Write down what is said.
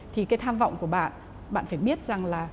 thì cái tham vọng của bạn bạn phải biết rằng là